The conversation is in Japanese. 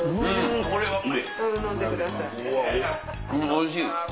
おいしい！